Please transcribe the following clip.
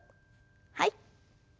はい。